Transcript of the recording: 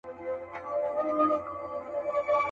نه په نکل کي څه پاته نه بوډا ته څوک زنګیږي.